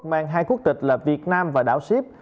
mang hai quốc tịch là việt nam và đảo sip